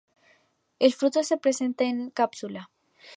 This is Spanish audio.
El fruto se presenta en cápsula.